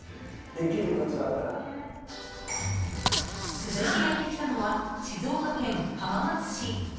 続いてやってきたのは静岡県浜松市。